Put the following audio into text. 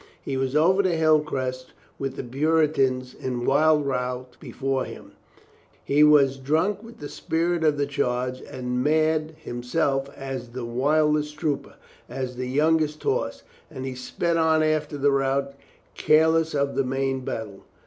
He was over the hill crest with the Puritans in wild rout before him; he was drunk with the spirit of the charge and mad himself as the wildest trooper, as the youngest horse, and he sped on after the rout careless of the main battle.